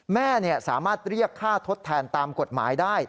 แม่สามารถเรียกค่าทดแทนตามกฎหมายได้